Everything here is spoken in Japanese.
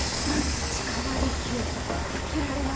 市川利休負けられない。